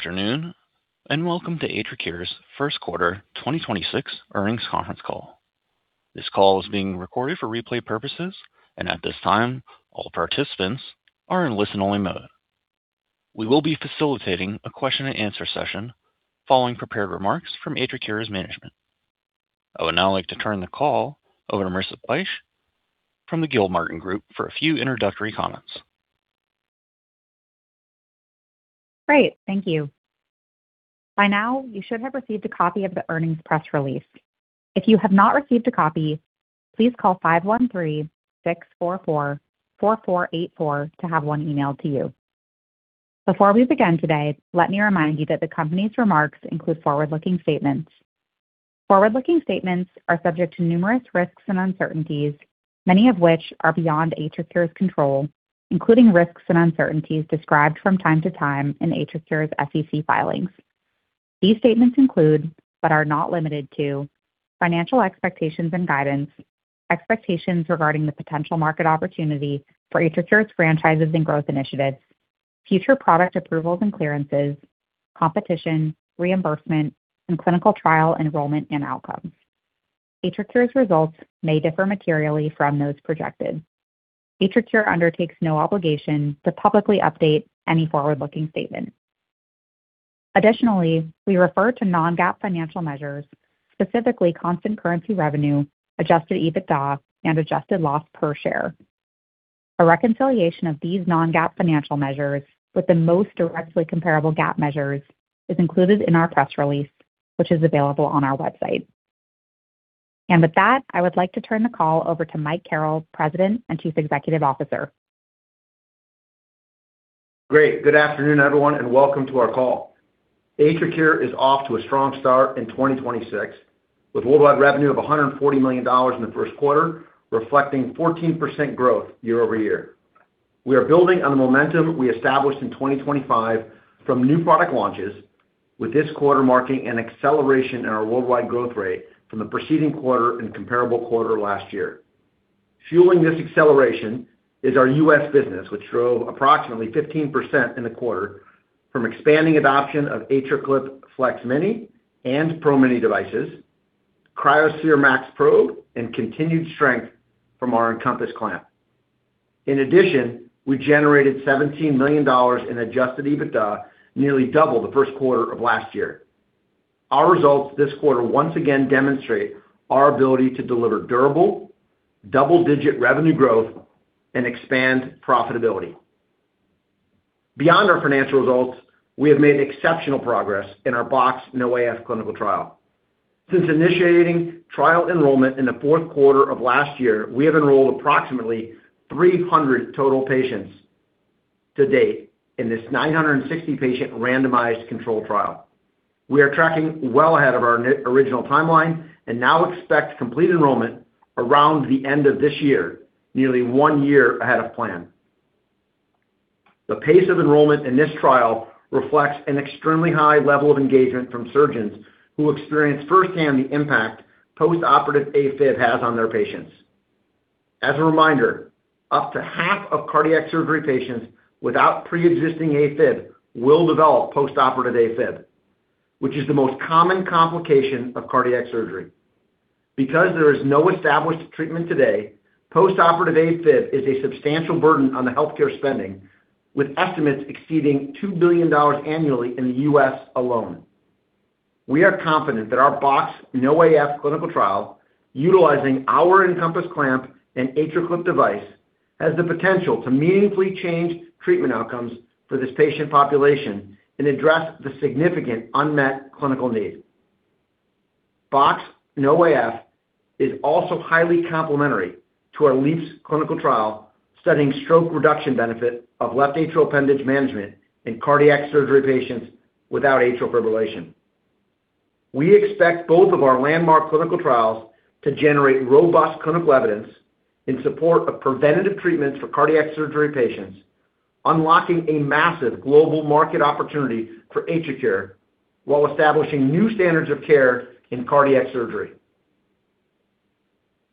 Afternoon, and welcome to AtriCure's first quarter 2026 earnings conference call. This call is being recorded for replay purposes, and at this time, all participants are in listen-only mode. We will be facilitating a question-and-answer session following prepared remarks from AtriCure's management. I would now like to turn the call over to Marissa Bych from the Gilmartin Group for a few introductory comments. Great. Thank you. By now, you should have received a copy of the earnings press release. If you have not received a copy, please call 513-644-4484 to have one emailed to you. Before we begin today, let me remind you that the company's remarks include forward-looking statements. Forward-looking statements are subject to numerous risks and uncertainties, many of which are beyond AtriCure's control, including risks and uncertainties described from time to time in AtriCure's SEC filings. These statements include, but are not limited to, financial expectations and guidance, expectations regarding the potential market opportunity for AtriCure's franchises and growth initiatives, future product approvals and clearances, competition, reimbursement, and clinical trial enrollment and outcomes. AtriCure's results may differ materially from those projected. AtriCure undertakes no obligation to publicly update any forward-looking statement. Additionally, we refer to non-GAAP financial measures, specifically constant currency revenue, adjusted EBITDA, and adjusted loss per share. A reconciliation of these non-GAAP financial measures with the most directly comparable GAAP measures is included in our press release, which is available on our website. With that, I would like to turn the call over to Mike Carrel, President and Chief Executive Officer. Great. Good afternoon, everyone, and welcome to our call. AtriCure is off to a strong start in 2026, with worldwide revenue of $140 million in the first quarter, reflecting 14% growth year-over-year. We are building on the momentum we established in 2025 from new product launches, with this quarter marking an acceleration in our worldwide growth rate from the preceding quarter and comparable quarter last year. Fueling this acceleration is our U.S. business, which drove approximately 15% in the quarter from expanding adoption of AtriClip FLEX-Mini and PRO-Mini devices, cryoSPHERE MAX Probe, and continued strength from our EnCompass Clamp. In addition, we generated $17 million in adjusted EBITDA, nearly double the first quarter of last year. Our results this quarter once again demonstrate our ability to deliver durable, double-digit revenue growth and expand profitability. Beyond our financial results, we have made exceptional progress in our BoxX-NoAF clinical trial. Since initiating trial enrollment in the fourth quarter of last year, we have enrolled approximately 300 total patients to date in this 960 patient randomized controlled trial. We are tracking well ahead of our original timeline and now expect complete enrollment around the end of this year, nearly one year ahead of plan. The pace of enrollment in this trial reflects an extremely high level of engagement from surgeons who experience firsthand the impact postoperative Afib has on their patients. As a reminder, up to half of cardiac surgery patients without pre-existing Afib will develop postoperative Afib, which is the most common complication of cardiac surgery. There is no established treatment today, postoperative Afib is a substantial burden on the healthcare spending, with estimates exceeding $2 billion annually in the U.S. alone. We are confident that our BoxX-NoAF clinical trial, utilizing our EnCompass Clamp and AtriClip device, has the potential to meaningfully change treatment outcomes for this patient population and address the significant unmet clinical need. BoxX-NoAF is also highly complementary to our LeAAPS clinical trial studying stroke reduction benefit of left atrial appendage management in cardiac surgery patients without atrial fibrillation. We expect both of our landmark clinical trials to generate robust clinical evidence in support of preventative treatments for cardiac surgery patients, unlocking a massive global market opportunity for AtriCure while establishing new standards of care in cardiac surgery.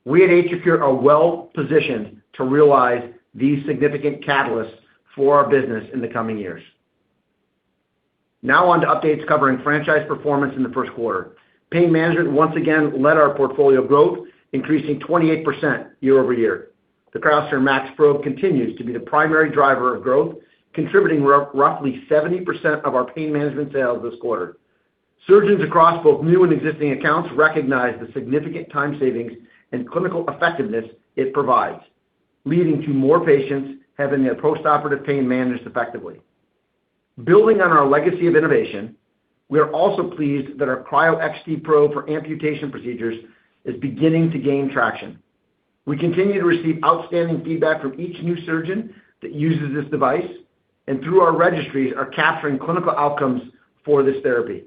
We at AtriCure are well-positioned to realize these significant catalysts for our business in the coming years. Now on to updates covering franchise performance in the first quarter. Pain management once again led our portfolio growth, increasing 28% year-over-year. The cryoSPHERE MAX Probe continues to be the primary driver of growth, contributing roughly 70% of our pain management sales this quarter. Surgeons across both new and existing accounts recognize the significant time savings and clinical effectiveness it provides, leading to more patients having their postoperative pain managed effectively. Building on our legacy of innovation, we are also pleased that our cryoXT Probe for amputation procedures is beginning to gain traction. We continue to receive outstanding feedback from each new surgeon that uses this device and through our registries are capturing clinical outcomes for this therapy.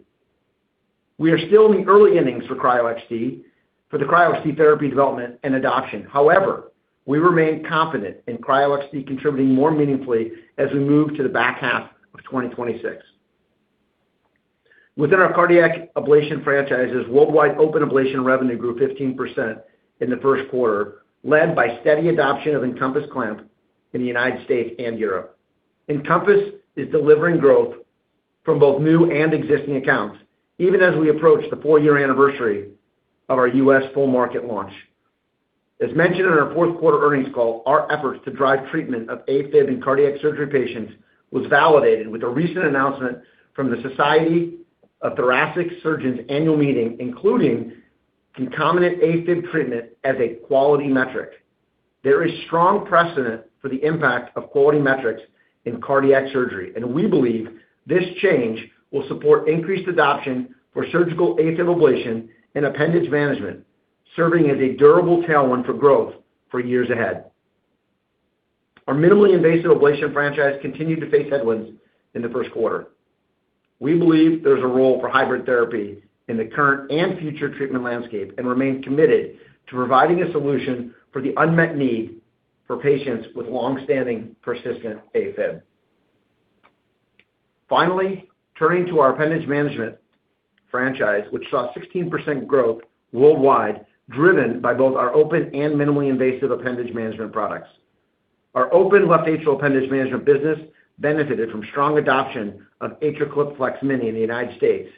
We are still in the early innings for the cryoXT therapy development and adoption. However, we remain confident in cryoXT contributing more meaningfully as we move to the back half of 2026. Within our cardiac ablation franchises, worldwide open ablation revenue grew 15% in the first quarter, led by steady adoption of EnCompass Clamp in the United States and Europe. EnCompass is delivering growth from both new and existing accounts, even as we approach the four-year anniversary of our U.S. full market launch. As mentioned in our fourth quarter earnings call, our efforts to drive treatment of Afib in cardiac surgery patients was validated with the recent announcement from the Society of Thoracic Surgeons annual meeting, including concomitant Afib treatment as a quality metric. There is strong precedent for the impact of quality metrics in cardiac surgery, and we believe this change will support increased adoption for surgical Afib ablation and appendage management, serving as a durable tailwind for growth for years ahead. Our minimally invasive ablation franchise continued to face headwinds in the first quarter. We believe there's a role for hybrid therapy in the current and future treatment landscape, and remain committed to providing a solution for the unmet need for patients with long-standing persistent Afib. Finally, turning to our appendage management franchise, which saw 16% growth worldwide, driven by both our open and minimally invasive appendage management products. Our open left atrial appendage management business benefited from strong adoption of AtriClip FLEX-Mini in the United States,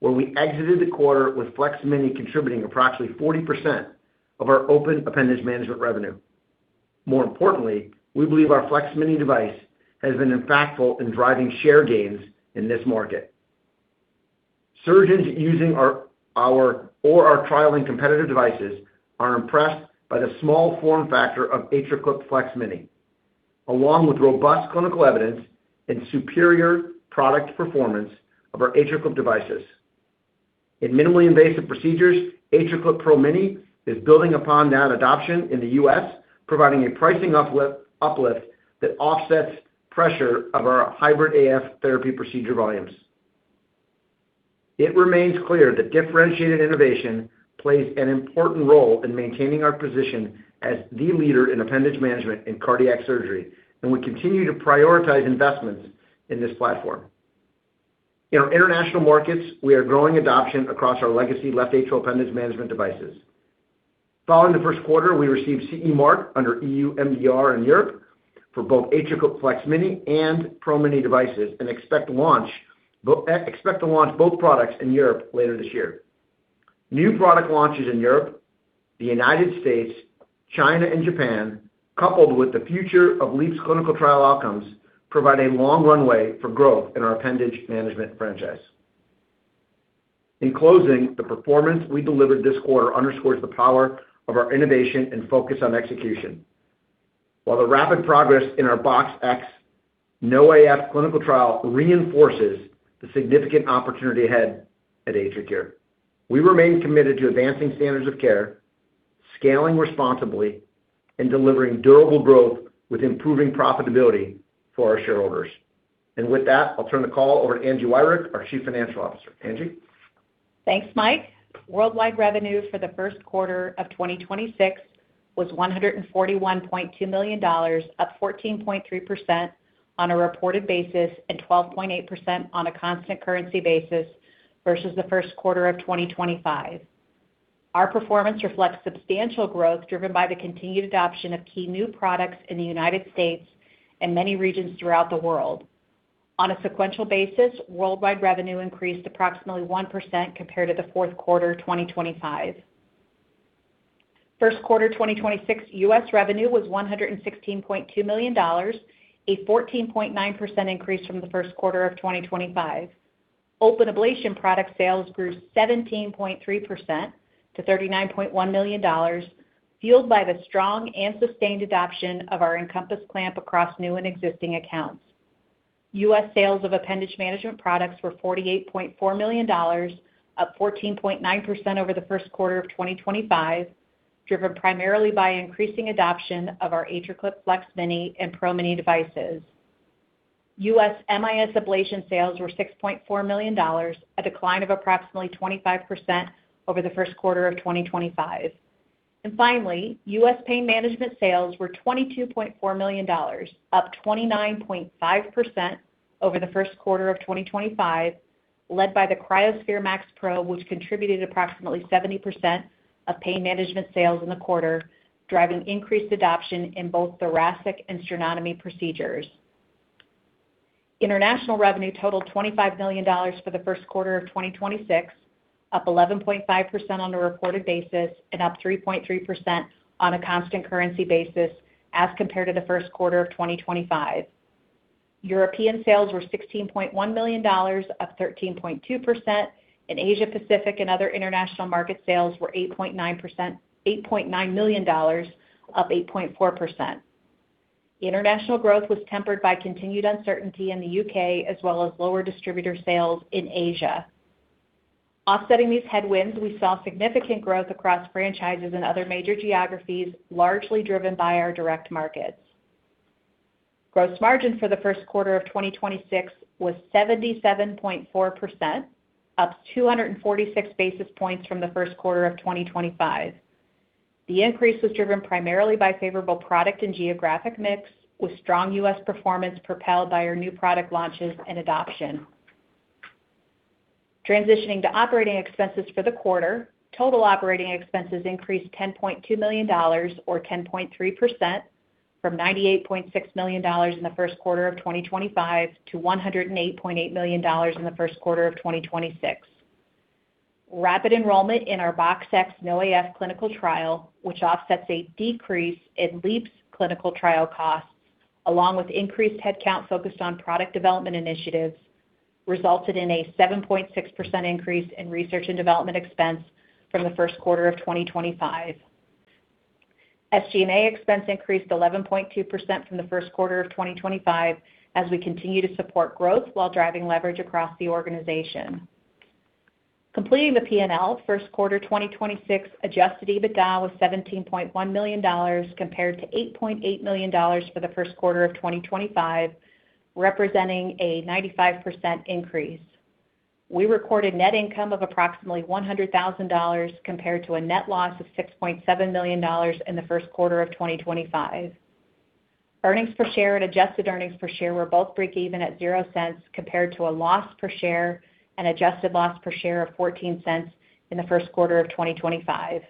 where we exited the quarter with FLEX-Mini contributing approximately 40% of our open appendage management revenue. More importantly, we believe our FLEX-Mini device has been impactful in driving share gains in this market. Surgeons using our or are trialing competitive devices are impressed by the small form factor of AtriClip FLEX-Mini, along with robust clinical evidence and superior product performance of our AtriClip devices. In minimally invasive procedures, AtriClip PRO-Mini is building upon that adoption in the U.S., providing a pricing uplift that offsets pressure of our hybrid AF therapy procedure volumes. It remains clear that differentiated innovation plays an important role in maintaining our position as the leader in appendage management in cardiac surgery, and we continue to prioritize investments in this platform. In our international markets, we are growing adoption across our legacy left atrial appendage management devices. Following the first quarter, we received CE Mark under EU MDR in Europe for both AtriClip FLEX-Mini and PRO-Mini devices, and expect to launch both products in Europe later this year. New product launches in Europe, the United States, China, and Japan, coupled with the future of LeAAPS clinical trial outcomes, provide a long runway for growth in our appendage management franchise. In closing, the performance we delivered this quarter underscores the power of our innovation and focus on execution. While the rapid progress in our BoxX-NoAF clinical trial reinforces the significant opportunity ahead at AtriCure. We remain committed to advancing standards of care, scaling responsibly, and delivering durable growth with improving profitability for our shareholders. With that, I'll turn the call over to Angie Wirick, our Chief Financial Officer. Angie? Thanks, Mike. Worldwide revenue for the first quarter of 2026 was $141.2 million, up 14.3% on a reported basis, and 12.8% on a constant currency basis versus the first quarter of 2025. Our performance reflects substantial growth driven by the continued adoption of key new products in the United States and many regions throughout the world. On a sequential basis, worldwide revenue increased approximately 1% compared to the fourth quarter 2025. First quarter 2026 U.S. revenue was $116.2 million, a 14.9% increase from the first quarter of 2025. Open ablation product sales grew 17.3% to $39.1 million, fueled by the strong and sustained adoption of our EnCompass Clamp across new and existing accounts. U.S. sales of appendage management products were $48.4 million, up 14.9% over the first quarter of 2025, driven primarily by increasing adoption of our AtriClip FLEX-Mini and PRO-Mini devices. U.S. MIS ablation sales were $6.4 million, a decline of approximately 25% over the first quarter of 2025. Finally, U.S. pain management sales were $22.4 million, up 29.5% over the first quarter of 2025, led by the cryoSPHERE MAX Probe, which contributed approximately 70% of pain management sales in the quarter, driving increased adoption in both thoracic and sternotomy procedures. International revenue totaled $25 million for the first quarter of 2026, up 11.5% on a reported basis and up 3.3% on a constant currency basis as compared to the first quarter of 2025. European sales were $16.1 million, up 13.2%, and Asia-Pacific and other international market sales were 8.9%-- $8.9 million, up 8.4%. International growth was tempered by continued uncertainty in the U.K. as well as lower distributor sales in Asia. Offsetting these headwinds, we saw significant growth across franchises in other major geographies, largely driven by our direct markets. Gross margin for the first quarter of 2026 was 77.4%, up 246 basis points from the first quarter of 2025. The increase was driven primarily by favorable product and geographic mix, with strong U.S. performance propelled by our new product launches and adoption. Transitioning to operating expenses for the quarter, total operating expenses increased $10.2 million or 10.3% from $98.6 million in the first quarter of 2025 to $108.8 million in the first quarter of 2026. Rapid enrollment in our BoxX-NoAF clinical trial, which offsets a decrease in LeAAPS clinical trial costs, along with increased headcount focused on product development initiatives, resulted in a 7.6% increase in research and development expense from the first quarter of 2025. SG&A expense increased 11.2% from the first quarter of 2025 as we continue to support growth while driving leverage across the organization. Completing the P&L first quarter 2026 adjusted EBITDA was $17.1 million compared to $8.8 million for the first quarter of 2025, representing a 95% increase. We recorded net income of approximately $100,000 compared to a net loss of $6.7 million in the first quarter of 2025. Earnings per share and adjusted earnings per share were both breakeven at $0.00 compared to a loss per share and adjusted loss per share of $0.14 in the first quarter of 2025.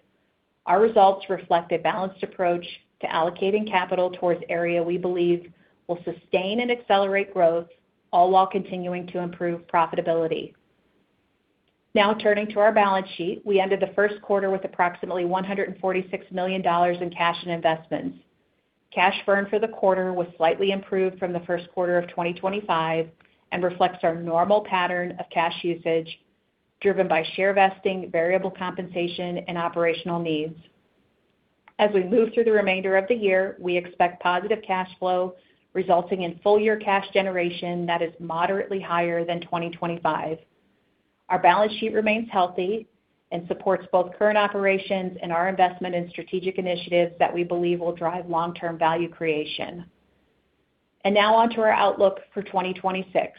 Our results reflect a balanced approach to allocating capital towards area we believe will sustain and accelerate growth all while continuing to improve profitability. Now turning to our balance sheet. We ended the first quarter with approximately $146 million in cash and investments. Cash burn for the quarter was slightly improved from the first quarter of 2025 and reflects our normal pattern of cash usage driven by share vesting, variable compensation, and operational needs. As we move through the remainder of the year, we expect positive cash flow resulting in full year cash generation that is moderately higher than 2025. Our balance sheet remains healthy and supports both current operations and our investment in strategic initiatives that we believe will drive long-term value creation. Now on to our outlook for 2026.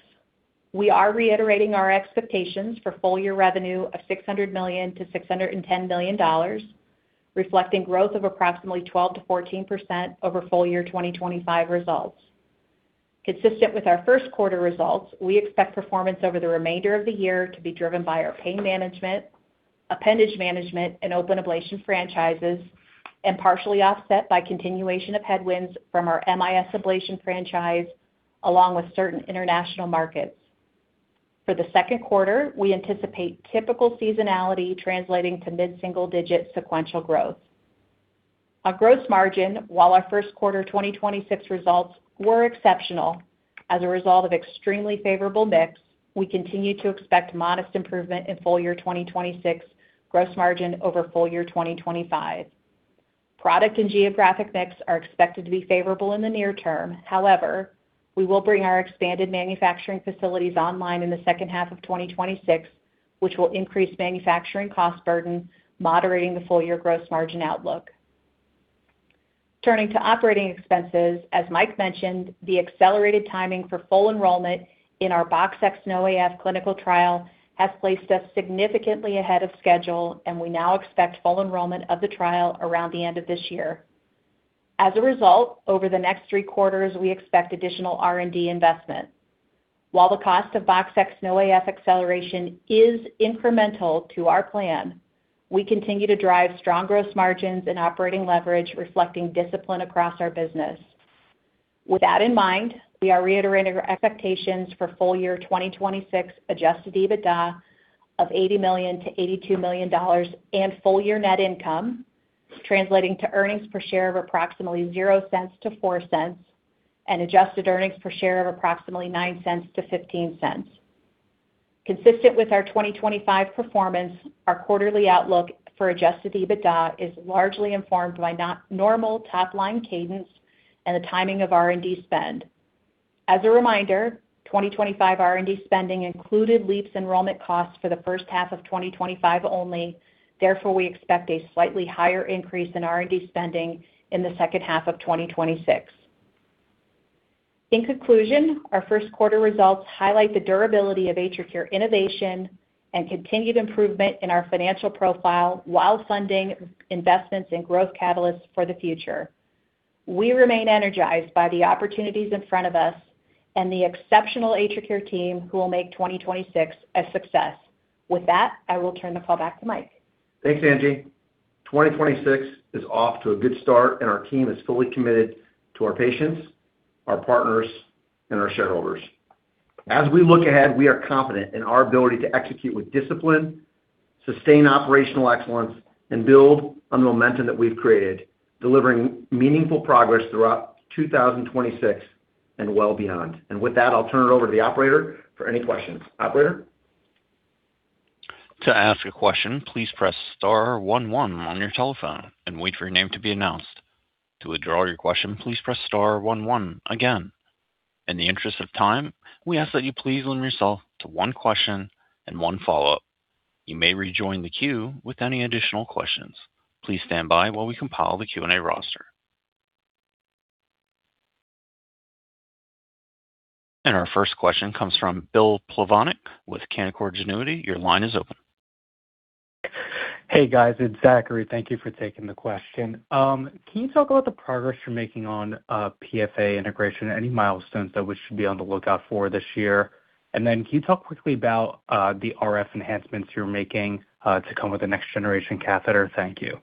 We are reiterating our expectations for full year revenue of $600 million-$610 million, reflecting growth of approximately 12%-14% over full year 2025 results. Consistent with our first quarter results, we expect performance over the remainder of the year to be driven by our pain management, appendage management, and open ablation franchises, and partially offset by continuation of headwinds from our MIS ablation franchise along with certain international markets. For the second quarter, we anticipate typical seasonality translating to mid-single digit sequential growth. On gross margin, while our first quarter 2026 results were exceptional as a result of extremely favorable mix, we continue to expect modest improvement in full year 2026 gross margin over full year 2025. Product and geographic mix are expected to be favorable in the near term. We will bring our expanded manufacturing facilities online in the second half of 2026, which will increase manufacturing cost burden, moderating the full year gross margin outlook. Turning to operating expenses, as Mike mentioned, the accelerated timing for full enrollment in our BoxX-NoAF clinical trial has placed us significantly ahead of schedule, and we now expect full enrollment of the trial around the end of this year. Over the next three quarters, we expect additional R&D investment. While the cost of BoxX-NoAF acceleration is incremental to our plan, we continue to drive strong gross margins and operating leverage reflecting discipline across our business. With that in mind, we are reiterating our expectations for full year 2026 adjusted EBITDA of $80 million-$82 million and full year net income, translating to earnings per share of approximately $0.00-$0.04 and adjusted earnings per share of approximately $0.09-$0.15. Consistent with our 2025 performance, our quarterly outlook for adjusted EBITDA is largely informed by normal top-line cadence and the timing of R&D spend. As a reminder, 2025 R&D spending included LeAAPS enrollment costs for the first half of 2025 only. Therefore, we expect a slightly higher increase in R&D spending in the second half of 2026. In conclusion, our first quarter results highlight the durability of AtriCure innovation and continued improvement in our financial profile while funding investments in growth catalysts for the future. We remain energized by the opportunities in front of us and the exceptional AtriCure team who will make 2026 a success. With that, I will turn the call back to Mike. Thanks, Angie. 2026 is off to a good start, and our team is fully committed to our patients, our partners, and our shareholders. As we look ahead, we are confident in our ability to execute with discipline, sustain operational excellence, and build on the momentum that we've created, delivering meaningful progress throughout 2026 and well beyond. With that, I'll turn it over to the operator for any questions. Operator? Our first question comes from Bill Plovanic with Canaccord Genuity. Your line is open. Hey guys, it's Zachary. Thank you for taking the question. Can you talk about the progress you're making on PFA integration? Any milestones that we should be on the lookout for this year? Can you talk quickly about the RF enhancements you're making to come with the next generation catheter? Thank you.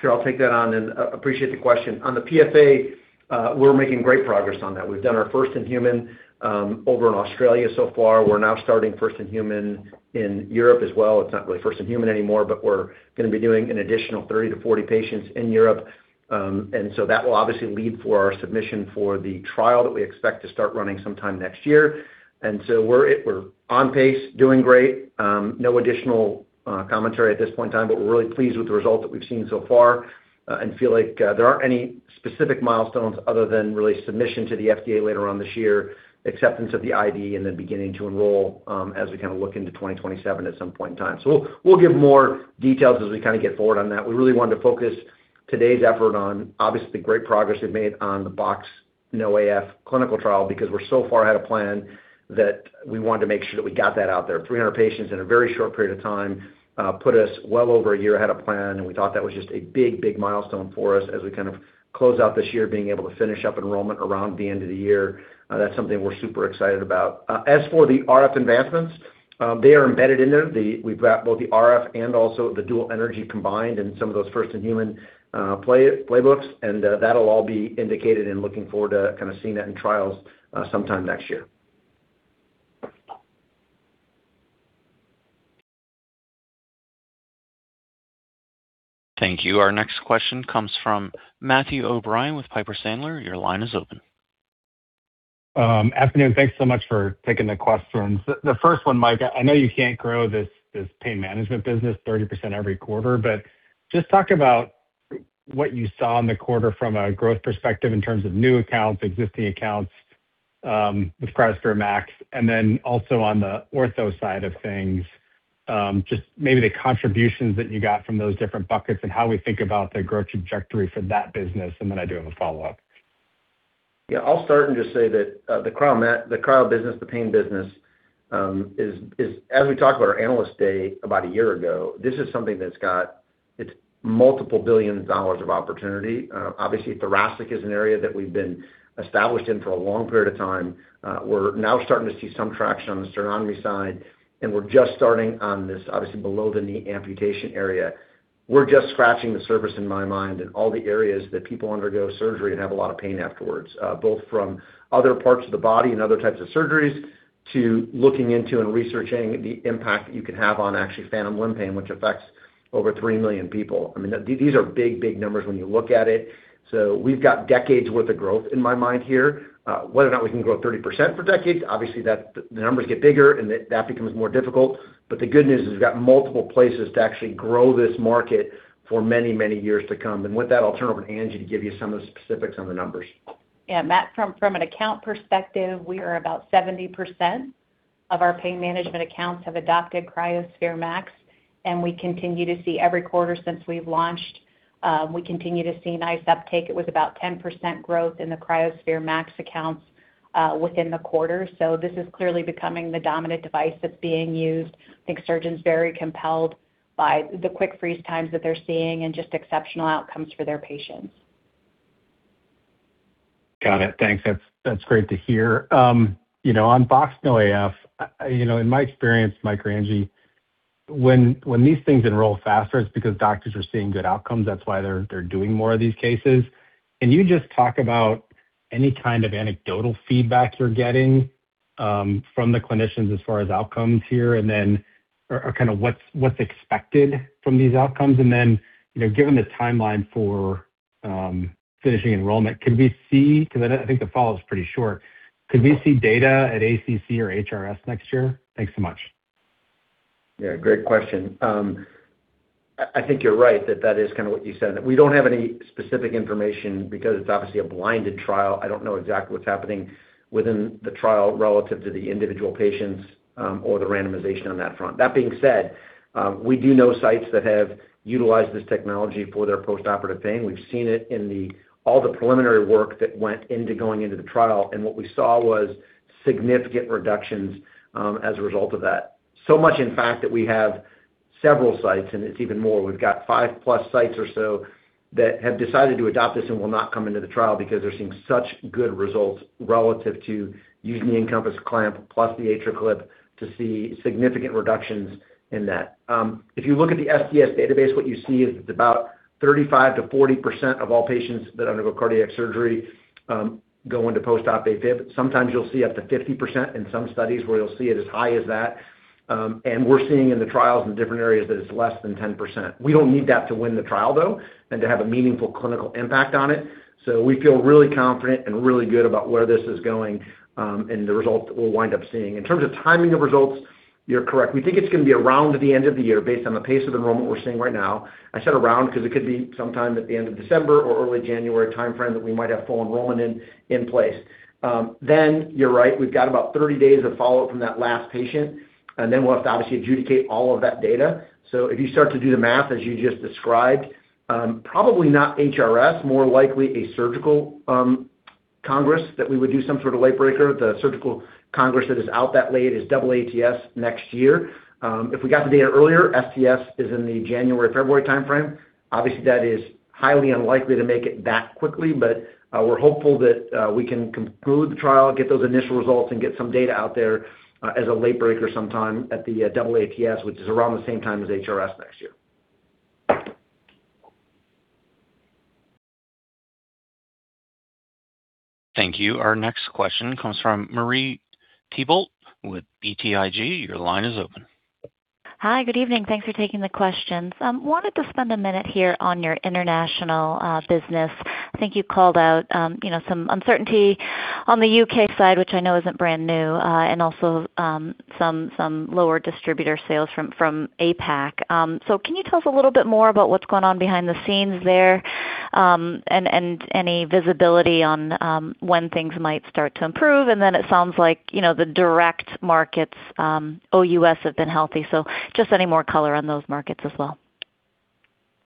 Sure. I'll take that on and appreciate the question. On the PFA, we're making great progress on that. We've done our first in-human over in Australia so far. We're now starting first in-human in Europe as well. It's not really first in-human anymore, but we're gonna be doing an additional 30-40 patients in Europe. That will obviously lead for our submission for the trial that we expect to start running sometime next year. We're on pace, doing great. No additional commentary at this point in time, but we're really pleased with the results that we've seen so far, and feel like there aren't any specific milestones other than really submission to the FDA later on this year, acceptance of the IDE, and then beginning to enroll, as we kind of look into 2027 at some point in time. We'll give more details as we kind of get forward on that. We really wanted to focus today's effort on obviously the great progress we've made on the BoxX-NoAF clinical trial because we're so far ahead of plan that we wanted to make sure that we got that out there. 300 patients in a very short period of time put us well over a year ahead of plan, and we thought that was just a big milestone for us as we kind of close out this year being able to finish up enrollment around the end of the year. That's something we're super excited about. As for the RF advancements, they are embedded in there. We've got both the RF and also the dual energy combined in some of those first in-human playbooks, and that'll all be indicated and looking forward to kind of seeing that in trials sometime next year. Thank you. Our next question comes from Matthew O'Brien with Piper Sandler. Your line is open. Afternoon, thanks so much for taking the questions. The first one, Mike, I know you can't grow this pain management business 30% every quarter, but just talk about what you saw in the quarter from a growth perspective in terms of new accounts, existing accounts, with cryoSPHERE MAX. Also on the ortho side of things, just maybe the contributions that you got from those different buckets and how we think about the growth trajectory for that business. I do have a follow-up. Yeah. I'll start and just say that the cryo business, the pain business, as we talked about our Analyst Day about a year ago, this is something that's got its multiple billion dollars of opportunity. Obviously, thoracic is an area that we've been established in for a long period of time. We're now starting to see some traction on the sternotomy side, and we're just starting on this, obviously below the knee amputation area. We're just scratching the surface in my mind in all the areas that people undergo surgery and have a lot of pain afterwards, both from other parts of the body and other types of surgeries to looking into and researching the impact that you can have on actually phantom limb pain, which affects over 3 million people. I mean, these are big, big numbers when you look at it. We've got decades worth of growth in my mind here. Whether or not we can grow 30% for decades, obviously, the numbers get bigger and that becomes more difficult. The good news is we've got multiple places to actually grow this market for many, many years to come. With that, I'll turn it over to Angie to give you some of the specifics on the numbers. Matt, from an account perspective, we are about 70% of our pain management accounts have adopted cryoSPHERE MAX, we continue to see every quarter since we've launched, we continue to see nice uptake. It was about 10% growth in the cryoSPHERE MAX accounts within the quarter. This is clearly becoming the dominant device that's being used. I think surgeons are very compelled by the quick freeze times that they're seeing and just exceptional outcomes for their patients. Got it. Thanks. That's great to hear. you know, on BoxX-NoAF, you know, in my experience, Mike or Angie, when these things enroll faster, it's because doctors are seeing good outcomes. That's why they're doing more of these cases. Can you just talk about any kind of anecdotal feedback you're getting from the clinicians as far as outcomes here? Or kinda what's expected from these outcomes? You know, given the timeline for finishing enrollment, could we see-? 'Cause I think the follow-up's pretty short. Could we see data at ACC or HRS next year? Thanks so much. Great question. I think you're right that that is kind of what you said, that we don't have any specific information because it's obviously a blinded trial. I don't know exactly what's happening within the trial relative to the individual patients, or the randomization on that front. That being said, we do know sites that have utilized this technology for their postoperative pain. We've seen it in all the preliminary work that went into going into the trial, and what we saw was significant reductions as a result of that. Much in fact that we have several sites, and it's even more. We've got 5+ sites or so that have decided to adopt this and will not come into the trial because they're seeing such good results relative to using the EnCompass Clamp plus the AtriClip to see significant reductions in that. If you look at the STS database, what you see is it's about 35%-40% of all patients that undergo cardiac surgery, go into post-op Afib. Sometimes you'll see up to 50% in some studies where you'll see it as high as that. We're seeing in the trials in different areas that it's less than 10%. We don't need that to win the trial, though, and to have a meaningful clinical impact on it. We feel really confident and really good about where this is going, and the result that we'll wind up seeing. In terms of timing of results, you're correct. We think it's gonna be around the end of the year based on the pace of enrollment we're seeing right now. I said around because it could be sometime at the end of December or early January timeframe that we might have full enrollment in place. You're right. We've got about 30 days of follow-up from that last patient. We'll have to obviously adjudicate all of that data. If you start to do the math as you just described, probably not HRS, more likely a surgical congress that we would do some sort of late breaker. The surgical congress that is out that late is AATS next year. If we got the data earlier, STS is in the January, February time frame. Obviously, that is highly unlikely to make it back quickly, but we're hopeful that we can conclude the trial, get those initial results, and get some data out there as a late breaker sometime at the AATS, which is around the same time as HRS next year. Thank you. Our next question comes from Marie Thibault with BTIG. Your line is open. Hi, good evening. Thanks for taking the questions. Wanted to spend a minute here on your international business. I think you called out, you know, some uncertainty on the U.K. side, which I know isn't brand new, and also some lower distributor sales from APAC. Can you tell us a little bit more about what's going on behind the scenes there, and any visibility on when things might start to improve? Then it sounds like, you know, the direct markets, OUS have been healthy, just any more color on those markets as well.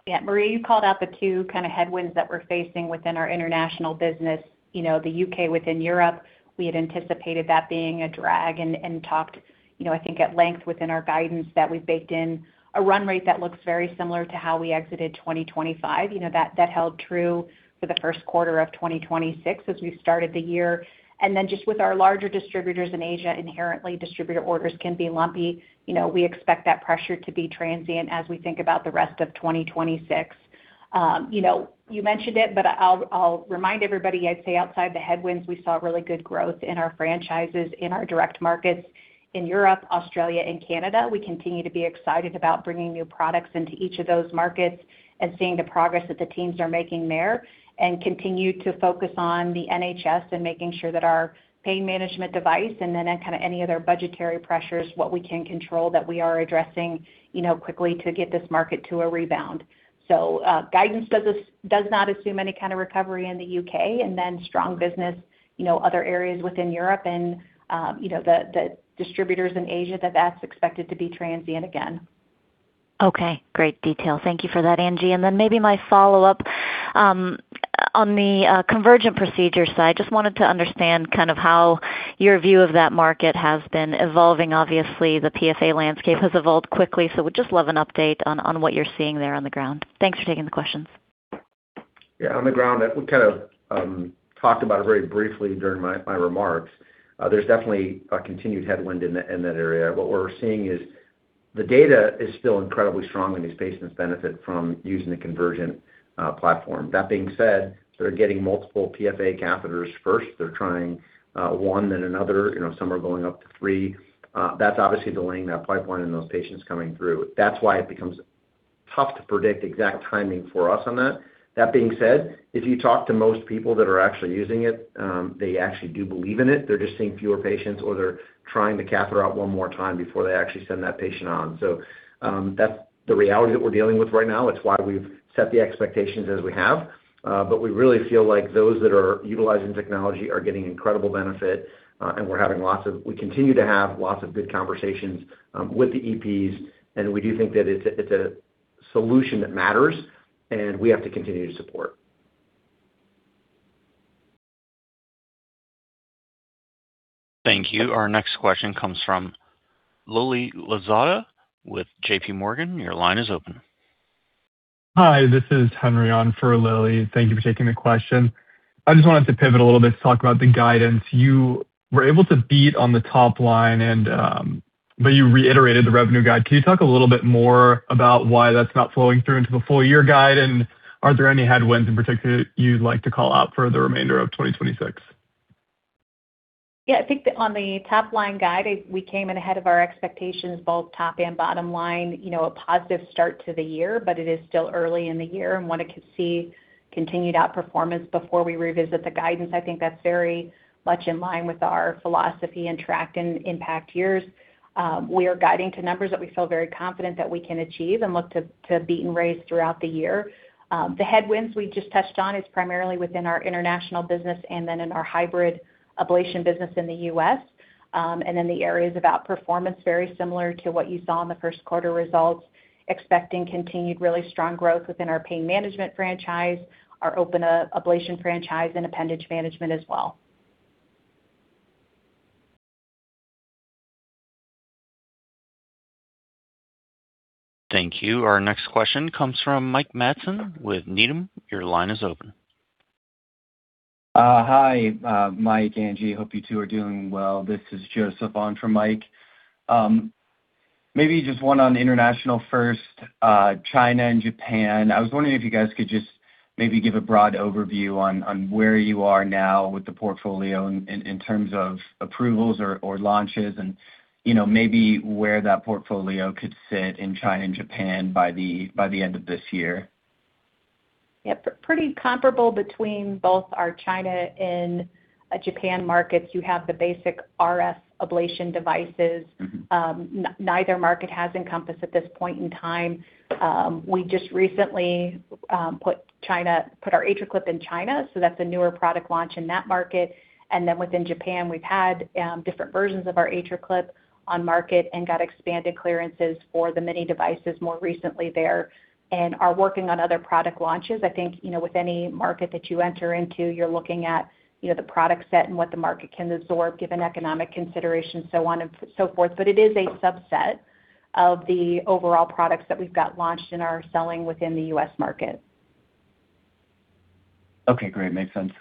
Yeah, Marie, you called out the two kind of headwinds that we're facing within our international business. You know, the U.K. within Europe, we had anticipated that being a drag and talked, you know, I think at length within our guidance that we baked in a run rate that looks very similar to how we exited 2025. You know, that held true for the first quarter of 2026 as we started the year. Just with our larger distributors in Asia, inherently distributor orders can be lumpy. You know, we expect that pressure to be transient as we think about the rest of 2026. You know, you mentioned it, but I'll remind everybody, I'd say outside the headwinds, we saw really good growth in our franchises in our direct markets in Europe, Australia, and Canada. We continue to be excited about bringing new products into each of those markets and seeing the progress that the teams are making there, and continue to focus on the NHS and making sure that our pain management device and then, kind of any other budgetary pressures, what we can control that we are addressing, you know, quickly to get this market to a rebound. Guidance does not assume any kind of recovery in the U.K., and then strong business, you know, other areas within Europe and, you know, the distributors in Asia that that's expected to be transient again. Okay, great detail. Thank you for that, Angie. Then maybe my follow-up on the Convergent procedure side, just wanted to understand kind of how your view of that market has been evolving. Obviously, the PFA landscape has evolved quickly, would just love an update on what you're seeing there on the ground. Thanks for taking the questions. On the ground, we kind of talked about it very briefly during my remarks. There's definitely a continued headwind in that area. What we're seeing is the data is still incredibly strong, and these patients benefit from using the Convergent platform. That being said, they're getting multiple PFA catheters first. They're trying one, then another. You know, some are going up to three. That's obviously delaying that pipeline and those patients coming through. That's why it becomes tough to predict exact timing for us on that. That being said, if you talk to most people that are actually using it, they actually do believe in it. They're just seeing fewer patients, or they're trying the catheter out 1 more time before they actually send that patient on. That's the reality that we're dealing with right now. It's why we've set the expectations as we have. We really feel like those that are utilizing technology are getting incredible benefit, and we're having lots of good conversations with the EPs, and we do think that it's a solution that matters, and we have to continue to support. Thank you. Our next question comes from Lily Lozada with JPMorgan. Your line is open. Hi, this is Henry on for Lily. Thank you for taking the question. I just wanted to pivot a little bit to talk about the guidance. You were able to beat on the top line, you reiterated the revenue guide. Can you talk a little bit more about why that's not flowing through into the full year guide? Are there any headwinds in particular you'd like to call out for the remainder of 2026? I think that on the top line guide, we came in ahead of our expectations, both top and bottom line. You know, a positive start to the year, it is still early in the year and want to see continued outperformance before we revisit the guidance. I think that's very much in line with our philosophy in track and impact years. We are guiding to numbers that we feel very confident that we can achieve and look to beat and raise throughout the year. The headwinds we just touched on is primarily within our international business and then in our hybrid ablation business in the U.S. The areas of outperformance, very similar to what you saw in the first quarter results, expecting continued really strong growth within our pain management franchise, our open ablation franchise, and appendage management as well. Thank you. Our next question comes from Mike Matson with Needham. Your line is open. Hi, Mike, Angie. Hope you two are doing well. This is Joseph on for Mike. Maybe just one on international first, China and Japan. I was wondering if you guys could just maybe give a broad overview on where you are now with the portfolio in terms of approvals or launches and, you know, maybe where that portfolio could sit in China and Japan by the end of this year? Yeah, pretty comparable between both our China and Japan markets. You have the basic RF ablation devices. Neither market has EnCompass at this point in time. We just recently put our AtriClip in China, that's a newer product launch in that market. Then within Japan, we've had different versions of our AtriClip on market and got expanded clearances for the Mini devices more recently there and are working on other product launches. I think, you know, with any market that you enter into, you're looking at, you know, the product set and what the market can absorb given economic considerations, so on and so forth. It is a subset of the overall products that we've got launched and are selling within the U.S. market. Okay, great. Makes sense.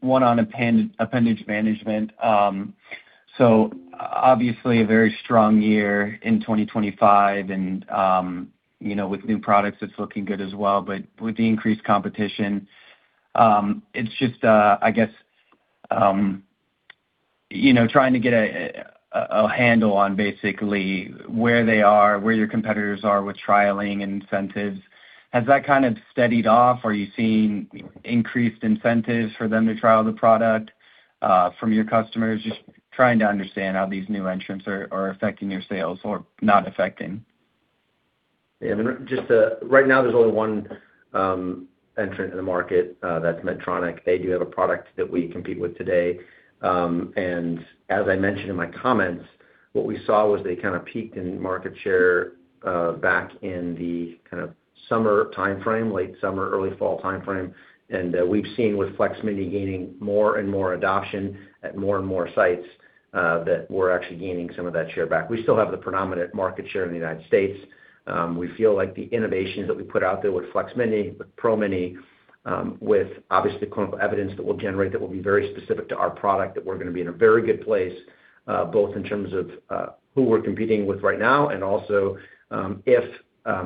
One on appendage management. Obviously a very strong year in 2025 and, you know, with new products, it's looking good as well. With the increased competition, it's just, I guess, you know, trying to get a handle on basically where they are, where your competitors are with trialing and incentives. Has that kind of steadied off? Are you seeing increased incentives for them to trial the product from your customers? Just trying to understand how these new entrants are affecting your sales or not affecting. Yeah. Just right now there's only one entrant in the market, that's Medtronic. They do have a product that we compete with today. As I mentioned in my comments, what we saw was they kind of peaked in market share back in the kind of summer timeframe, late summer, early fall timeframe. We've seen with FLEX-Mini gaining more and more adoption at more and more sites that we're actually gaining some of that share back. We still have the predominant market share in the United States. We feel like the innovations that we put out there with FLEX-Mini, with PRO-Mini, with obviously clinical evidence that we'll generate that will be very specific to our product, that we're gonna be in a very good place, both in terms of who we're competing with right now and also, if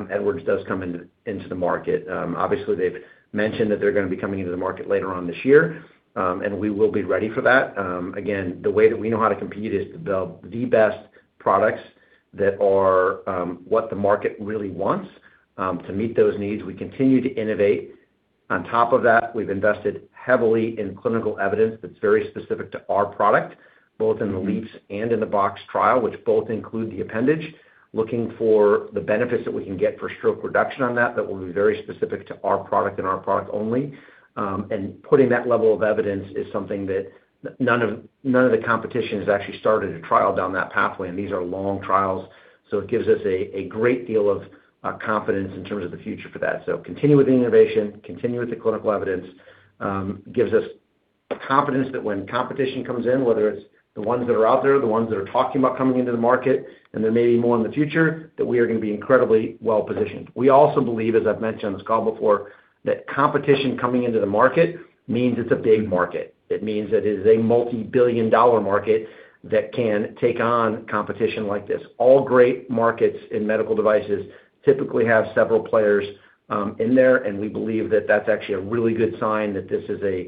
Edwards does come into the market. Obviously they've mentioned that they're gonna be coming into the market later on this year, and we will be ready for that. Again, the way that we know how to compete is to build the best products that are, what the market really wants, to meet those needs. We continue to innovate. On top of that, we've invested heavily in clinical evidence that's very specific to our product, both in the LeAAPS and in the BoxX trial, which both include the appendage, looking for the benefits that we can get for stroke reduction on that that will be very specific to our product and our product only. Putting that level of evidence is something that none of the competition has actually started a trial down that pathway, and these are long trials, so it gives us a great deal of confidence in terms of the future for that. Continue with the innovation, continue with the clinical evidence, gives us confidence that when competition comes in, whether it's the ones that are out there, the ones that are talking about coming into the market, and there may be more in the future, that we are gonna be incredibly well-positioned. We also believe, as I've mentioned on this call before, that competition coming into the market means it's a big market. It means that it is a multi-billion dollar market that can take on competition like this. All great markets in medical devices typically have several players in there, and we believe that that's actually a really good sign that this is a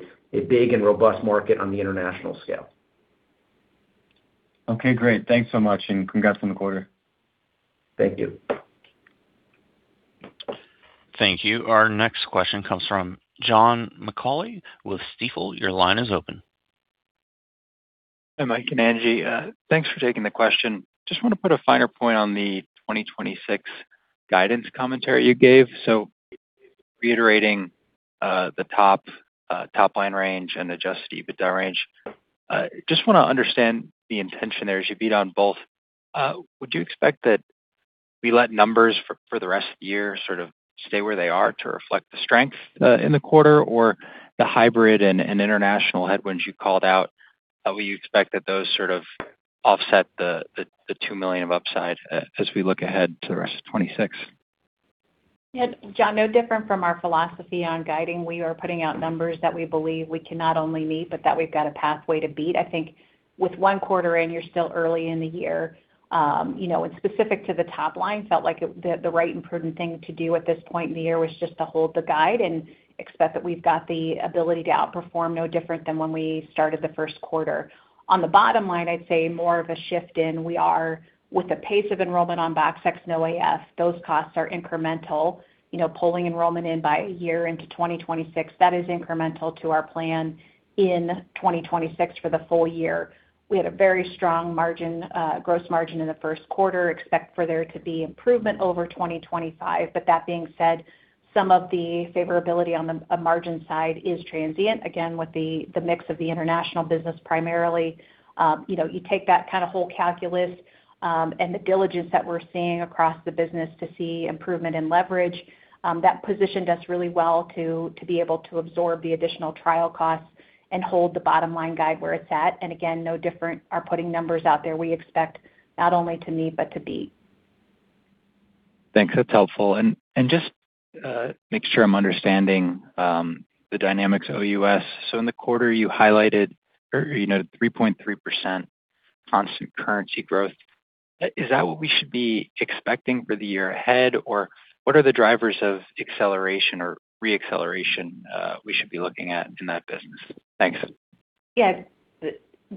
big and robust market on the international scale. Okay, great. Thanks so much and congrats on the quarter. Thank you. Thank you. Our next question comes from John McAulay with Stifel. Your line is open. Hi, Mike and Angie. Thanks for taking the question. Just want to put a finer point on the 2026 guidance commentary you gave. Reiterating the top top line range and adjusted EBITDA range. Just wanna understand the intention there as you beat on both. Would you expect that we let numbers for the rest of the year sort of stay where they are to reflect the strength in the quarter or the hybrid and international headwinds you called out? Will you expect that those sort of offset the $2 million of upside as we look ahead to the rest of 2026? Yeah, John, no different from our philosophy on guiding. We are putting out numbers that we believe we can not only meet, but that we've got a pathway to beat. I think with one quarter in, you're still early in the year. You know, the right and prudent thing to do at this point in the year was just to hold the guide and expect that we've got the ability to outperform, no different than when we started the first quarter. On the bottom line, I'd say more of a shift in we are with the pace of enrollment on BoxX-NoAF, those costs are incremental. You know, pulling enrollment in by a year into 2026, that is incremental to our plan in 2026 for the full year. We had a very strong margin, gross margin in the first quarter. Expect for there to be improvement over 2025. That being said, some of the favorability on the margin side is transient, again, with the mix of the international business primarily. You know, you take that kind of whole calculus, and the diligence that we're seeing across the business to see improvement in leverage, that positioned us really well to be able to absorb the additional trial costs and hold the bottom line guide where it's at. Again, no different are putting numbers out there we expect not only to meet, but to beat. Thanks. That's helpful. Just make sure I'm understanding the dynamics of OUS. In the quarter you highlighted 3.3% constant currency growth. Is that what we should be expecting for the year ahead, or what are the drivers of acceleration or re-acceleration we should be looking at in that business? Thanks. Yeah.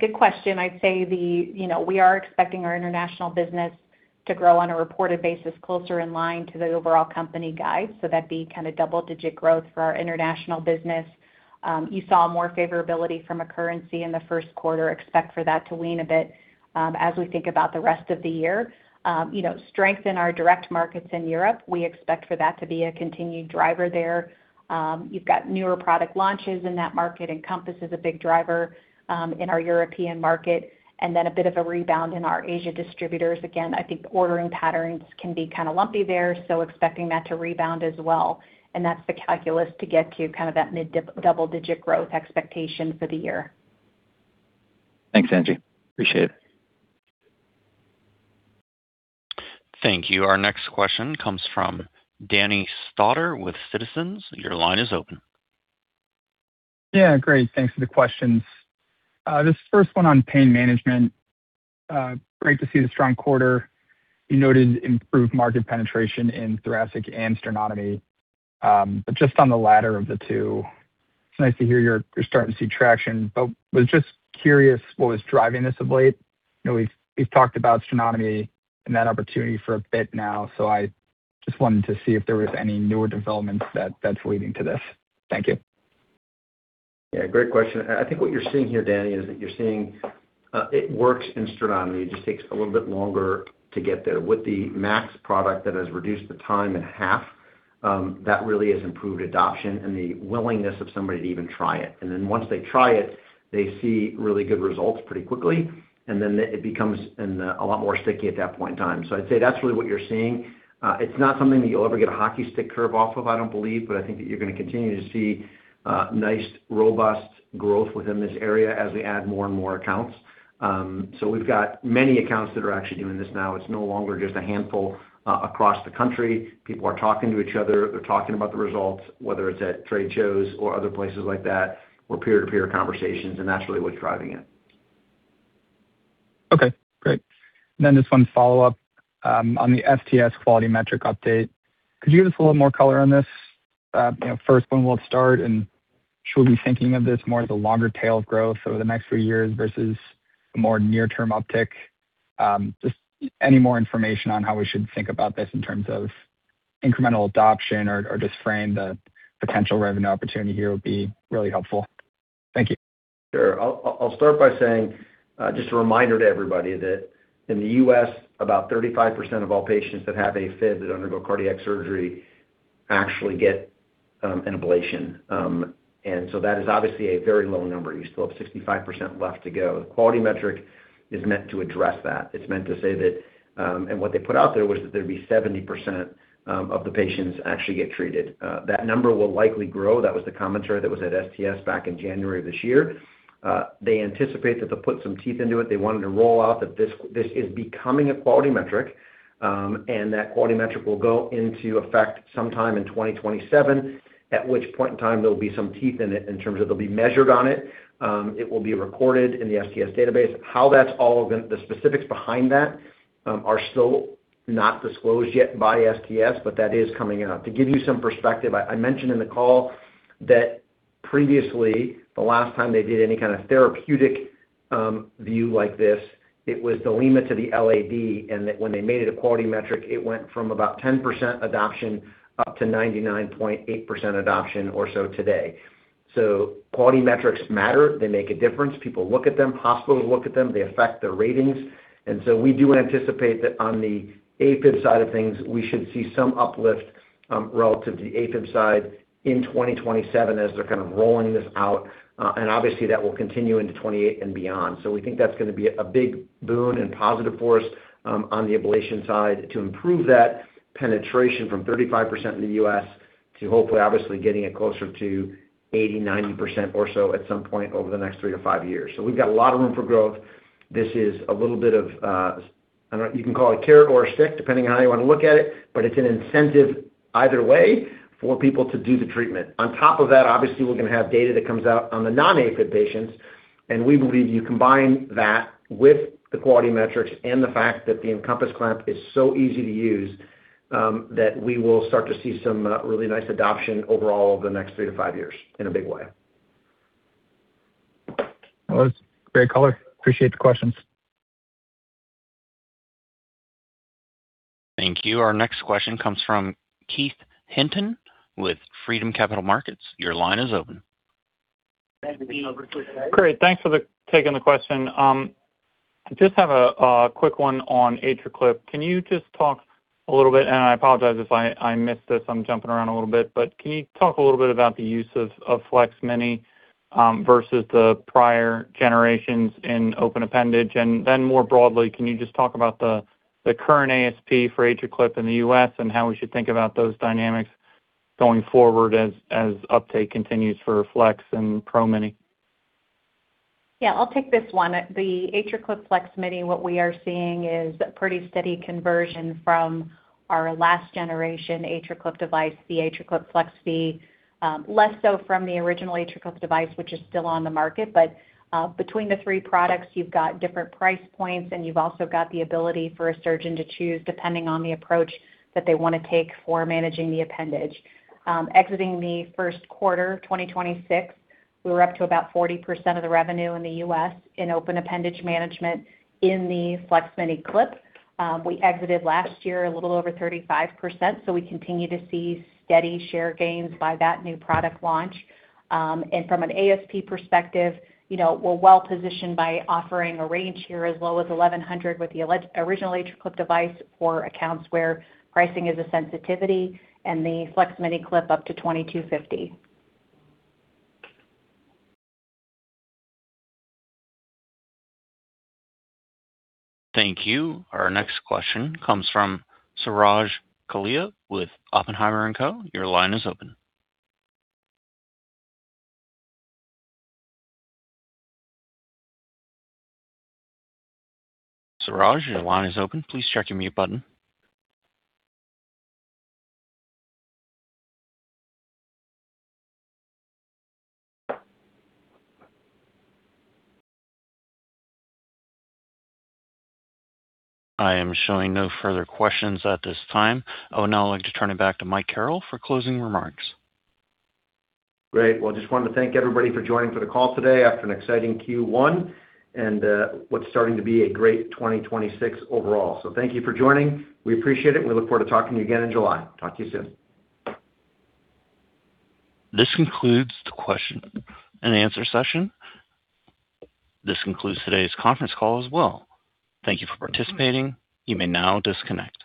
Good question. I'd say, you know, we are expecting our international business to grow on a reported basis closer in line to the overall company guide, so that'd be kind of double-digit growth for our international business. You saw more favorability from a currency in the first quarter. Expect for that to wane a bit as we think about the rest of the year. You know, strength in our direct markets in Europe, we expect for that to be a continued driver there. You've got newer product launches in that market, EnCompass is a big driver in our European market, and then a bit of a rebound in our Asia distributors. Again, I think ordering patterns can be kind of lumpy there, so expecting that to rebound as well. That's the calculus to get to kind of that mid double-digit growth expectation for the year. Thanks, Angie. Appreciate it. Thank you. Our next question comes from Danny Stauder with Citizens. Your line is open. Yeah. Great. Thanks for the questions. This first one on pain management. Great to see the strong quarter. You noted improved market penetration in thoracic and sternotomy. Just on the latter of the two, it's nice to hear you're starting to see traction, but was just curious what was driving this of late. You know, we've talked about sternotomy and that opportunity for a bit now, so I just wanted to see if there was any newer developments that's leading to this. Thank you. Yeah. Great question. I think what you're seeing here, Danny, is that you're seeing it works in sternotomy. It just takes a little bit longer to get there. With the MAX product that has reduced the time in half, that really has improved adoption and the willingness of somebody to even try it. Once they try it, they see really good results pretty quickly, it becomes a lot more sticky at that point in time. I'd say that's really what you're seeing. It's not something that you'll ever get a hockey stick curve off of, I don't believe, but I think that you're gonna continue to see nice, robust growth within this area as we add more and more accounts. We've got many accounts that are actually doing this now. It's no longer just a handful across the country. People are talking to each other. They're talking about the results, whether it's at trade shows or other places like that, or peer-to-peer conversations. That's really what's driving it. Okay, great. Just one follow-up on the STS quality metric update. Could you give us a little more color on this? You know, first one, we'll start, should we be thinking of this more as a longer tail of growth over the next few years versus a more near-term uptick? Just any more information on how we should think about this in terms of incremental adoption or just frame the potential revenue opportunity here would be really helpful. Thank you. Sure. I'll start by saying, just a reminder to everybody that in the U.S., about 35% of all patients that have Afib that undergo cardiac surgery actually get an ablation. That is obviously a very low number. You still have 65% left to go. The quality metric is meant to address that. It's meant to say that what they put out there was that there'd be 70% of the patients actually get treated. That number will likely grow. That was the commentary that was at STS back in January of this year. They anticipate that they'll put some teeth into it. They wanted to roll out that this is becoming a quality metric, and that quality metric will go into effect sometime in 2027. At which point in time there'll be some teeth in it in terms of they'll be measured on it. It will be recorded in the STS database. The specifics behind that are still not disclosed yet by STS, but that is coming out. To give you some perspective, I mentioned in the call that previously, the last time they did any kind of therapeutic view like this, it was the LIMA to the LAD, and that when they made it a quality metric, it went from about 10% adoption up to 99.8% adoption or so today. Quality metrics matter. They make a difference. People look at them. Hospitals look at them. They affect their ratings. We do anticipate that on the Afib side of things, we should see some uplift relative to the Afib side in 2027 as they're kind of rolling this out. Obviously, that will continue into 2028 and beyond. We think that's gonna be a big boon and positive force on the ablation side to improve that penetration from 35% in the U.S. to hopefully, obviously, getting it closer to 80%, 90% or so at some point over the next three or five years. We've got a lot of room for growth. This is a little bit of, I don't know, you can call it a carrot or a stick, depending on how you wanna look at it, but it's an incentive either way for people to do the treatment. On top of that, obviously, we're gonna have data that comes out on the non-Afib patients, and we believe you combine that with the quality metrics and the fact that the EnCompass Clamp is so easy to use, that we will start to see some really nice adoption overall over the next three to five years in a big way. Well, great color. Appreciate the questions. Thank you. Our next question comes from Keith Hinton with Freedom Capital Markets. Your line is open. Great. Thanks for taking the question. Just have a quick one on AtriClip. Can you just talk a little bit, I apologize if I missed this, I'm jumping around a little bit. Can you talk a little bit about the use of FLEX-Mini versus the prior generations in open appendage? More broadly, can you just talk about the current ASP for AtriClip in the U.S. and how we should think about those dynamics going forward as uptake continues for FLEX and PRO-Mini? Yeah, I'll take this one. The AtriClip FLEX-Mini, what we are seeing is pretty steady conversion from our last generation AtriClip device, the AtriClip FLEX•V. Less so from the original AtriClip device, which is still on the market. Between the three products, you've got different price points, and you've also got the ability for a surgeon to choose depending on the approach that they wanna take for managing the appendage. Exiting the first quarter 2026, we were up to about 40% of the revenue in the U.S. in open appendage management in the FLEX-Mini clip. We exited last year a little over 35%, we continue to see steady share gains by that new product launch. From an ASP perspective, you know, we're well-positioned by offering a range here as low as $1,100 with the original AtriClip device for accounts where pricing is a sensitivity, and the FLEX-Mini clip up to $2,250. Thank you. Our next question comes from Suraj Kalia with Oppenheimer & Co. Your line is open. Suraj, your line is open. Please check your mute button. I am showing no further questions at this time. I would now like to turn it back to Mike Carrel for closing remarks. Great. Well, just wanted to thank everybody for joining for the call today after an exciting Q1, and what's starting to be a great 2026 overall. Thank you for joining. We appreciate it, and we look forward to talking to you again in July. Talk to you soon. This concludes the question-and-answer session. This concludes today's conference call as well. Thank you for participating. You may now disconnect.